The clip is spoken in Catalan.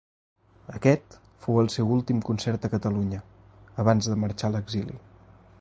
Aquest fou el seu últim concert a Catalunya, abans de marxar a l'exili.